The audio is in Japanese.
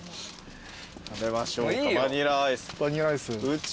食べましょうかバニラアイス宇宙の。